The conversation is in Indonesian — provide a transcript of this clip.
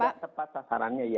kalau tidak tepat sasarannya iya